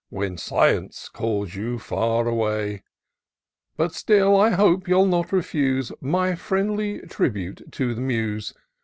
When Science calls you far away : But still I hope you'll not refuse My friendly tribute to the Muse